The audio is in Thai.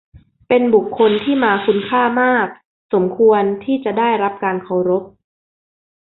เป็นบุคคลที่มาคุณค่ามาก สมควรที่จะได้รับการเคารพ